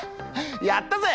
やったぜ！